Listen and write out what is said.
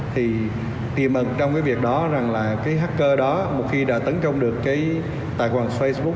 thì tiềm ẩn trong cái việc đó rằng là cái hacker đó một khi đã tấn công được cái tài khoản facebook